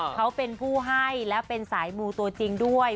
เขาเป็นผู้ให้และเป็นสายมูตัวจริงด้วย